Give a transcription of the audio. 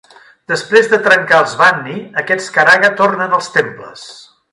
Després de trencar els Banni, aquests karaga tornen als temples.